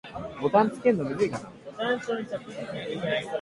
そして私は、自分の家族や友人、同胞などを考えてみると、とてもひどく恥かしくなりました。